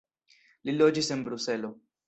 Li loĝis en Bruselo.